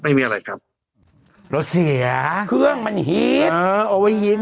ไม่มีอะไรครับรถเสียเครื่องมันฮิตเออเอาไว้ยิ้ม